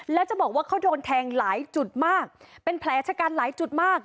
แล้วจะบอกว่าเขาโดนแทงหลายจุดมากเป็นแผลชะกันหลายจุดมาก